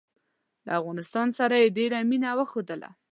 له افغانستان سره یې ډېره مینه وښودله.